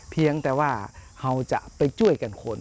เพียงแต่ว่าเขาจะไปช่วยกันคน